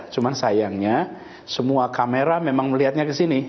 cuma sayangnya semua kamera memang melihatnya kesini